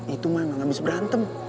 itu mana abis berantem